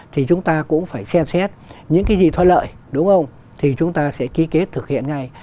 thì chúng ta cũng phải xem xét những cái gì thoi lợi đúng không thì chúng ta sẽ ký kết thực hiện ngay